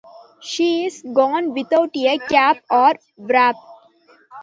She’s gone without a cap or wrap.